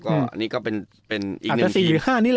อันนี้ก็เป็นอีกหนึ่งทีม